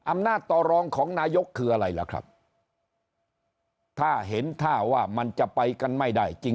อำนาจต่อรองของนายกคืออะไรล่ะครับถ้าเห็นท่าว่ามันจะไปกันไม่ได้จริง